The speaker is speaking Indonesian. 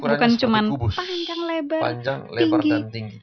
bukan cuma panjang lebar